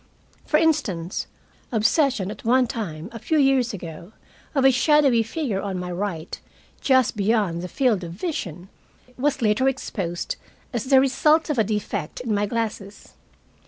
For instance, obsession at one time a few years ago of a shadowy figure on my right, just beyond the field of vision, was later exposed as the result of a defect in my glasses.